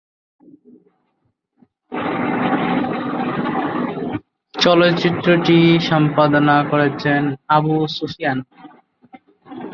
চলচ্চিত্রটি সম্পাদনা করেছেন আবু সুফিয়ান।